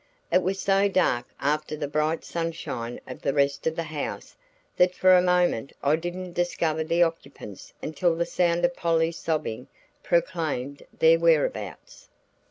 It was so dark after the bright sunshine of the rest of the house, that for a moment I didn't discover the occupants until the sound of Polly's sobbing proclaimed their whereabouts.